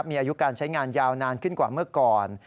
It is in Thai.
มีอายุการใช้งานยาวนานขึ้นกว่าเมื่อก่อน